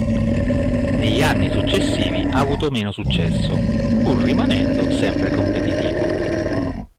Negli anni successivi ha avuto meno successo, pur rimanendo sempre competitivo.